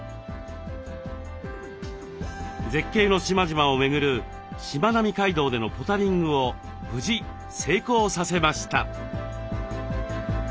絶景の島々を巡るしまなみ海道でのポタリングを無事成功させました。